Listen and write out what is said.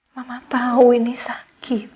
mama tau ini sakit